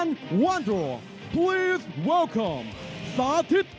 และแพ้๒๐ไฟ